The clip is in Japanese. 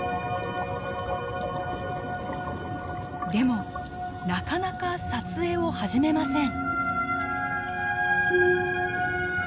でもなかなか撮影を始めません。